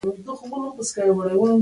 په عصري وسلو سمبال ول.